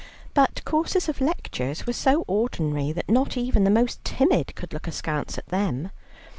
But courses of lectures were so ordinary that not even the most timid could look askance at them.